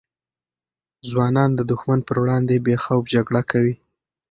ځوانان د دښمن پر وړاندې بې خوف جګړه کوي.